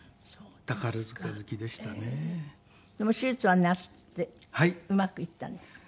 でも手術をなすってうまくいったんですか？